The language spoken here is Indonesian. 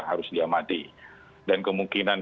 harus diamati dan kemungkinan